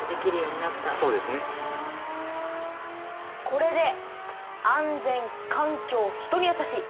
これで「安全」「環境」「人にやさしい」